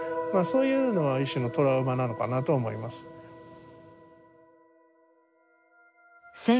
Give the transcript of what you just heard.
そういうのは一種のトラウマなのかなとは思いますね。